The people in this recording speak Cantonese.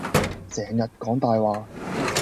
成日講大話